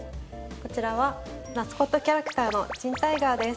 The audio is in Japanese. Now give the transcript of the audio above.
こちらはマスコットキャラクターのチンタイガーです。